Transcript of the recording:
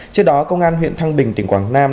trước đó công an huyện thăng bình tỉnh quảng nam